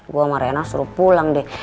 gue sama rena suruh pulang deh